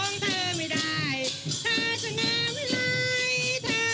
เหมือนดอกไม้ที่เธอถือมา